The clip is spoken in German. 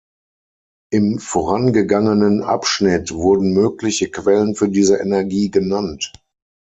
Im vorangegangenen Abschnitt wurden mögliche Quellen für diese Energie genannt.